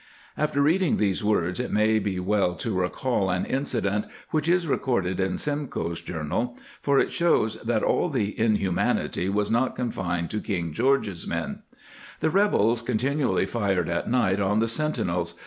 ^ After reading these words it may be well to recall an incident which is recorded in Simcoe's Journal, for it shows that all the inhumanity was not confined to King George's men :" The rebels continually fired at night on the centinels.